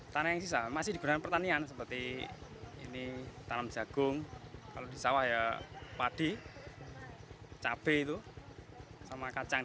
tanah yang sisa masih digunakan pertanian seperti ini tanam jagung kalau di sawah ya padi cabai itu sama kacang